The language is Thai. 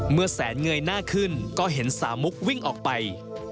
เมื่อแสนเงยหน้าขึ้นก็เห็นสามุกวิ่งออกไป